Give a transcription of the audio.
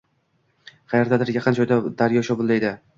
Qayerdadir, yaqin joyda daryo shovullaydi.